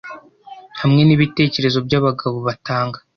hamwe nibitekerezo byabagabo batanga